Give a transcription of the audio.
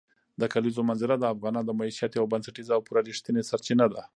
د کلیزو منظره د افغانانو د معیشت یوه بنسټیزه او پوره رښتینې سرچینه ده.